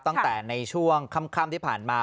ตั้งแต่ในช่วงค่ำที่ผ่านมา